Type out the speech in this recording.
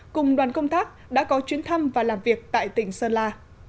cùng đoàn công tác đã có chuyến thăm và làm việc tại tỉnh sơn la